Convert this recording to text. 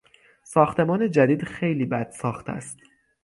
ساختمان جدید خیلی بد ساخت است.